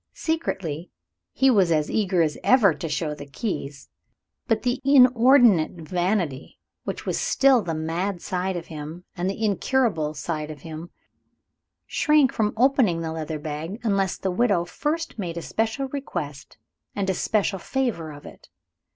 Secretly, he was as eager as ever to show the keys. But the inordinate vanity which was still the mad side of him and the incurable side of him, shrank from opening the leather bag unless the widow first made a special request and a special favor of it.